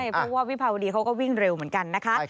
เพราะว่าวิภาวดีเขาก็วิ่งเร็วเหมือนกันนะคะ